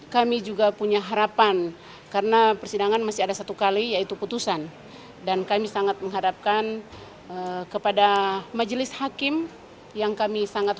kita berdoakan semua persidangan ini yang sudah tinggal satu kali lagi buat dijat